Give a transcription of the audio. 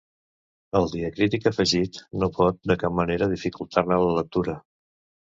El diacrític afegit, no pot, de cap manera, dificultar-ne la lectura.